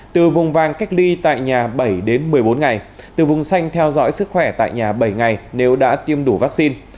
từ vùng vàng cách ly tại nhà bảy đến một mươi bốn ngày từ vùng xanh theo dõi sức khỏe tại nhà bảy ngày nếu đã tiêm đủ vaccine